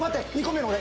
２個目俺。